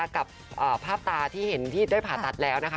กับภาพตาที่เห็นที่ได้ผ่าตัดแล้วนะคะ